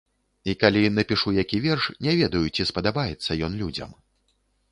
І калі напішу які верш, не ведаю, ці спадабаецца ён людзям.